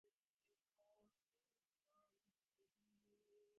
ބުނަން އުޅެފަވެސް ޖެހިލުން ވާގޮތެއް ވުމުން ހަމަ ބުނެވޭގޮތް ނުވި